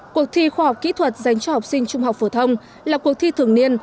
cuộc thi khoa học kỹ thuật dành cho học sinh trung học phổ thông là cuộc thi thường niên